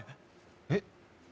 えっ？